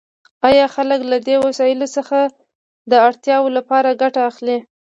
آیا خلک له دې وسایلو څخه د اړتیاوو لپاره ګټه اخلي؟